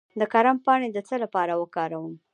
د کرم پاڼې د څه لپاره وکاروم؟